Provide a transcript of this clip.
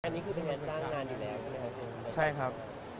อันนี้คือเป็นงานจ้างงานอยู่แล้วใช่ไหมครับ